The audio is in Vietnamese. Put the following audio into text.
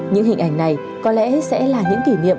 những hình ảnh này có lẽ sẽ là những kỷ niệm